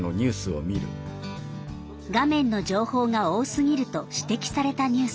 画面の情報が多すぎると指摘されたニュース。